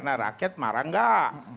nah rakyat marah gak